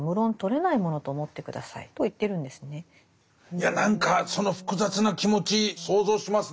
いや何かその複雑な気持ち想像しますね。